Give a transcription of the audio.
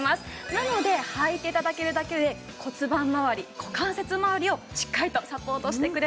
なのではいて頂けるだけで骨盤まわり股関節まわりをしっかりとサポートしてくれます。